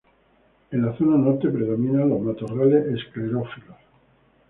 En la zona norte predominan los matorrales esclerófilos.